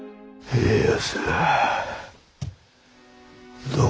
家康。